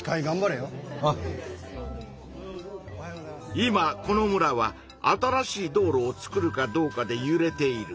今この村は新しい道路をつくるかどうかでゆれている。